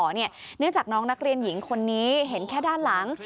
เนื่องจากน้องนักเรียนหญิงคนนี้เห็นแค่ด้านหลัง